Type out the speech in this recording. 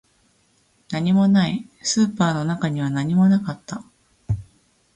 何もない、スーパーの中には何もなかった